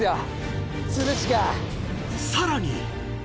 ［さらに］